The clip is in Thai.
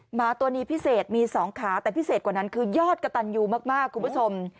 หมาตัวนี้พิเศษมี๒ขาแต่พิเศษกว่านั้นคือยอดกระตันยูมากคุณผู้ชม